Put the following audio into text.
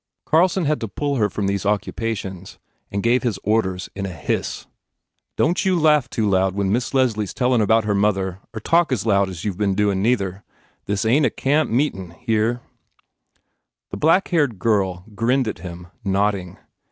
Carl son had to pull her from these occupations and gave his orders in a hiss. "Don t you laugh too loud when Miss Leslie s tellin about her mother or talk as loud as you ve been doin , neither. This ain t a camp meetin , hear?" The black haired girl grinned at him, nodding.